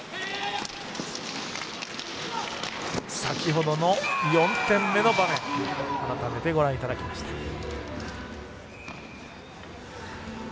先ほどの４点目の場面を改めてご覧いただきました。